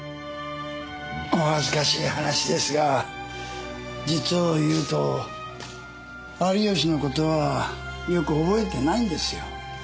お恥ずかしい話ですが実を言うと有吉のことはよく憶えてないんですよ。